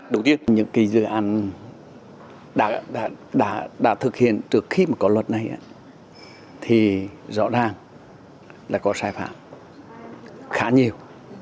đầu tiên những cái dự án đã thực hiện trước khi mà có luật này thì rõ ràng là có sai phạm khá nhiều